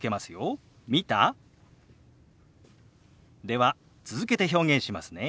では続けて表現しますね。